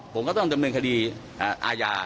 ผมก็ต้องดำเนินคดีอาญา